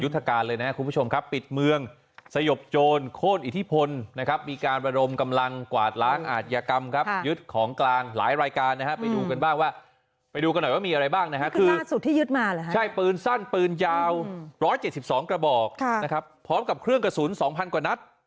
ยุทธการเลยน่ะครับคุณผู้ผู้ชมครับปิดเมืองสโยบ